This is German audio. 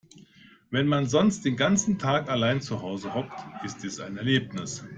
Wenn man sonst den ganzen Tag allein zu Hause hockt, ist es ein Erlebnis.